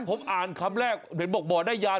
ผมอ่านคำแรกเห็นบอกบ่อได้ยาว